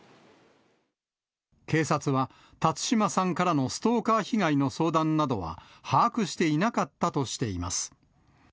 警察は、辰島さんからのストーカー被害の相談などは把握していなかったとしています。